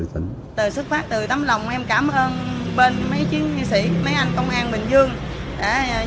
là như họ